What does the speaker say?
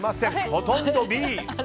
ほとんどＢ。